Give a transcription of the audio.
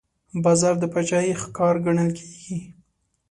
باز د باچاهۍ ښکار ګڼل کېږي